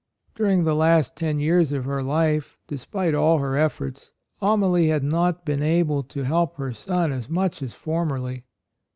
During the last ten years of her life, despite all her efforts, Amalie had not been able to help her son as much as for merly.